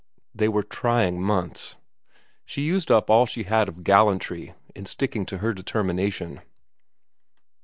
They were trying months. She used up all she had of gallantry in sticking to her deter mination.